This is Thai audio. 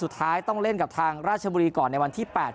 สุดท้ายต้องเล่นกับทางราชบุรีก่อนในวันที่๘